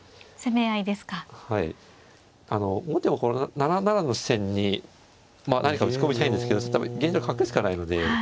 後手もこの７七の地点に何か打ち込みたいんですけど現状角しかないので。